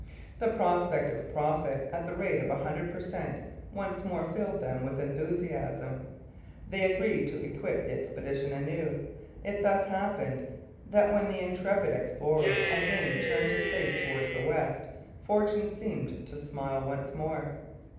The prospect of profit at the rate of a hundred per cent once more filled them with enthusiasm. They agreed to equip the expedition anew. It thus happened that when the intrepid explorer again turned his face towards the West, fortune seemed to smile once more.